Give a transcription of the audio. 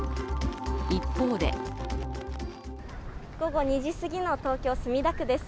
一方で午後２時すぎの東京・墨田区です。